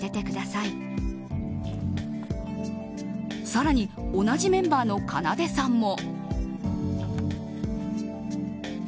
更に、同じメンバーのかなでさんも。